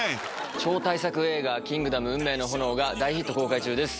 超大作映画『キングダム運命の炎』が大ヒット公開中です。